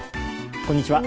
こんにちは。